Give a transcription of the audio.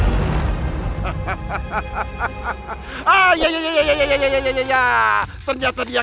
aku harus melihat mereka aku harus melihat mereka